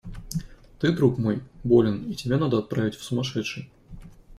Ты, друг мой, болен, и тебя надо отправить в сумасшедший.